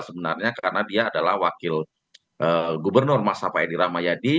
sebenarnya karena dia adalah wakil gubernur masa pak edi rahmayadi